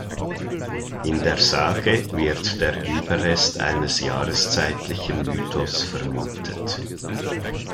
In der Sage wird der Überrest eines jahreszeitlichen Mythos vermutet.